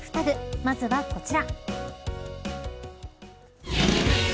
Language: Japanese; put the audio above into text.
まずは、こちら。